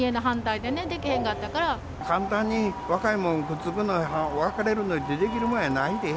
簡単に若いもん、くっつくの別れるのなんて、できるもんやないで。